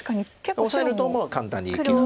オサえるともう簡単に生きる。